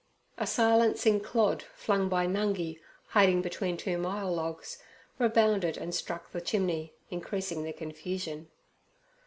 A silencing clod flung by Nungi hiding between two myall logs, rebounded and struck the chimney, increasing the confusion.